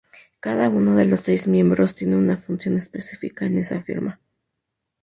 Cada uno de los seis miembros tiene una función específica en esa firma.